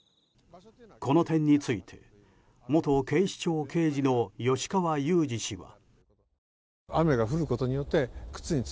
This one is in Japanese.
この点について元警視庁刑事の吉川祐二氏は。